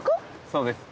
そうです。